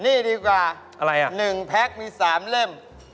นี่ดีกว่า๑พ็คมี๓เล่มอะไรน่ะ